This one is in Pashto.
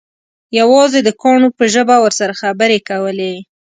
یوازې د کاڼو په ژبه ورسره خبرې کولې.